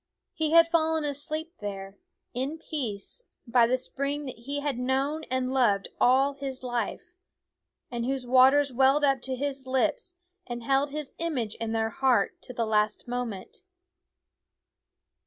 He had fallen asleep there, in peace, by the spring that he had known and loved all his life, and whose waters welled up to his lips and held his image in their heart to the last moment.